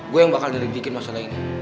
gue yang bakal dedik dedikin masalah ini